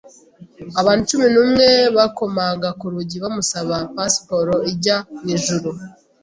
abantu cumi n’ umwe bakomanga ku rugi bamusaba Pasiporo ijya mu ijuru